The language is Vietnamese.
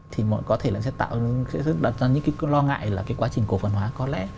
thì có thể là sẽ tạo ra những cái lo ngại là cái quá trình cổ phần hóa có lẽ